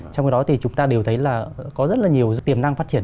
trong đó thì chúng ta đều thấy là có rất nhiều tiềm năng phát triển